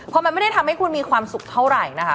พอมันไม่ได้ทำให้คุณมีความสุขเท่าไหร่นะคะ